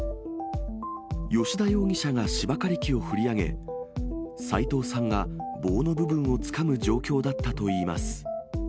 吉田容疑者が芝刈り機を振り上げ、斉藤さんが棒の部分をつかむ状況だったといいます。